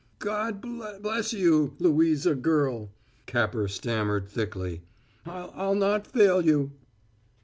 "God bless you, Louisa, girl!" Capper stammered thickly. "I'll not fail you."